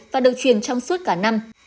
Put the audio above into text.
và được truyền trong suốt cả năm